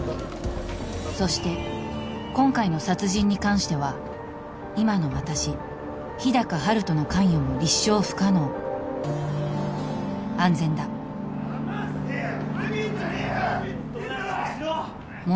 そして今回の殺人に関しては今の私日高陽斗の関与も立証不可能安全だ離せよふざけんじゃねえよ！